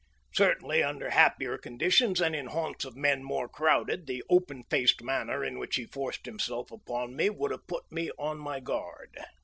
Certainly, under happier conditions and in haunts of men more crowded, the open faced manner in which he forced himself upon me would have put me on my guard.